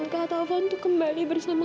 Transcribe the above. kamu berdiri mila